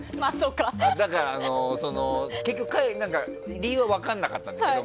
だから、結局理由は分からなかったんだよね